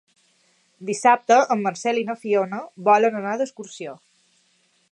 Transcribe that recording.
Dissabte en Marcel i na Fiona volen anar d'excursió.